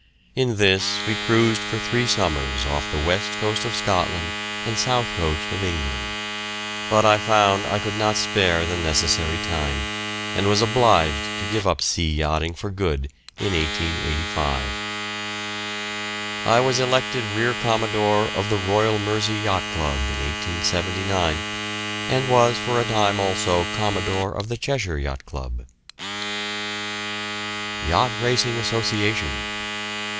In this we cruised for three summers off the west coast of Scotland and south coast of England; but I found I could not spare the necessary time, and was obliged to give up sea yachting for good in 1885. I was elected rear commodore of the Royal Mersey Yacht Club in 1879, and was for a time also commodore of the Cheshire Yacht Club. YACHT RACING ASSOCIATION.